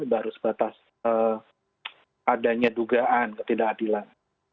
baru sebatas adanya dugaan ketidakadilan